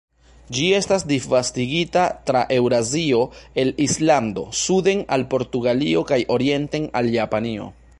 Ĝi estas disvastigita tra Eŭrazio el Islando suden al Portugalio kaj orienten al Japanio.